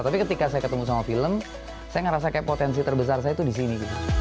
tapi ketika saya ketemu sama film saya ngerasa kayak potensi terbesar saya itu di sini